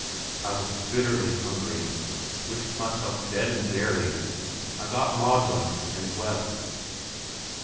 I was bitterly hungry; wished myself dead and buried; I got maudlin, and wept.